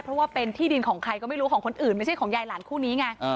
เพราะว่าเป็นที่ดินของใครก็ไม่รู้ของคนอื่นไม่ใช่ของยายหลานคู่นี้ไง